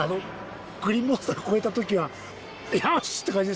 グリーンモンスターを越えた時はよし！って感じでした？